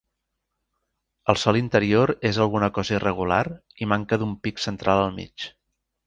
El sòl interior és alguna cosa irregular i manca d'un pic central al mig.